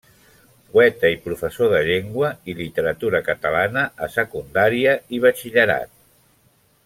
Poeta i professor de Llengua i Literatura Catalana a Secundària i Batxillerat.